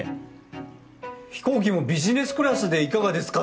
「飛行機もビジネスクラスでいかがですか？」